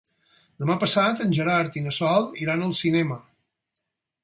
Demà passat en Gerard i na Sol iran al cinema.